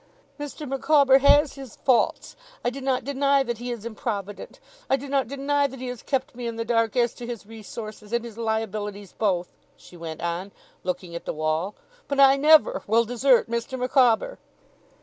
'Mr. Micawber has his faults. I do not deny that he is improvident. I do not deny that he has kept me in the dark as to his resources and his liabilities both,' she went on, looking at the wall; 'but I never will desert Mr. Micawber!